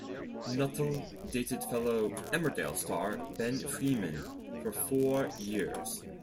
Nuttall dated fellow "Emmerdale" star Ben Freeman for four years.